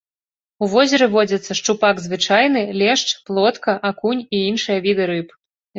У возеры водзяцца шчупак звычайны, лешч, плотка, акунь і іншыя віды рыб.